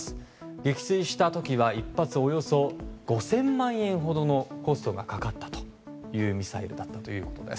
撃墜した時は１発およそ５０００万円ほどのコストがかかったミサイルだということです。